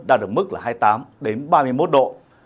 đạt được mức hai mươi tám ba mươi một độ